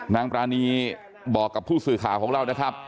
นางปรานีบอกกับผู้สื่อข่าวของเรานะครับ